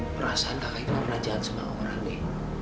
perasaan kakak itu memperjahat semua orang rik